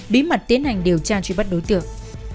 bí mật tiến hành điều tra truy bắt đối tượng